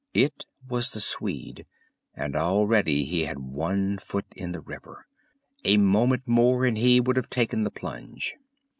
It was the Swede. And already he had one foot in the river! A moment more and he would have taken the plunge.